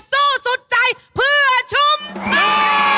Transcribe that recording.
สู้สุดใจเพื่อชุมชน